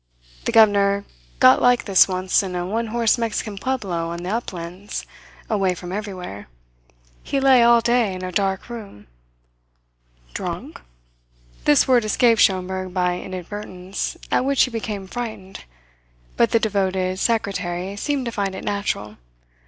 The governor got like this once in a one horse Mexican pueblo on the uplands, away from everywhere. He lay all day long in a dark room " "Drunk?" This word escaped Schomberg by inadvertence at which he became frightened. But the devoted secretary seemed to find it natural.